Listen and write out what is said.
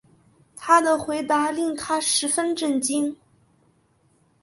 他的回答令她十分震惊